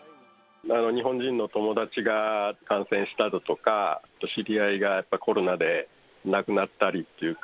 日本人の友達が感染しただとか、知り合いがやっぱコロナで亡くなったりっていうか。